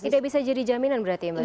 tidak bisa jadi jaminan berarti mbak titi